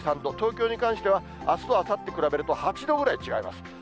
東京に関しては、あすとあさって比べると、８度ぐらい違います。